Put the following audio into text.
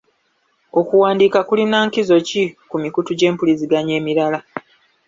Okuwandiika kulina nkizo ki ku mikutu gy'empuliziganya emirala?